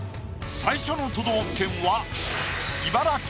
最初の都道府県は。